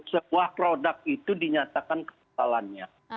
sebuah produk itu dinyatakan kesalahannya